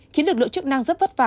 khiến lực lượng chức năng rất vất vả